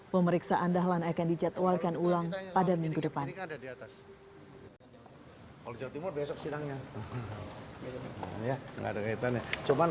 pemeriksaan dahlan akan dijadwalkan ulang pada minggu depan